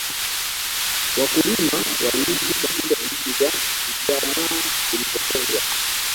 wakulima waliishi katika vijiji vya ujamaa vilivyotengwa